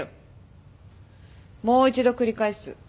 もう一度繰り返す。